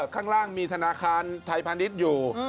ถ้ามิถนาคารไทยพาณิชย์อยู่